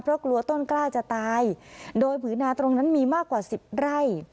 เพราะกลัวต้นกล้าจะตายโดยผืนาตรงนั้นมีมากกว่าสิบไร่